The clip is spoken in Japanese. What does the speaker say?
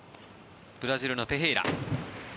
ブラジルのペヘイラ。